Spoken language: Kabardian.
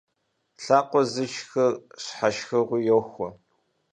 Лъакъуэ зышхыр щхьэ шхыгъуи йохуэ.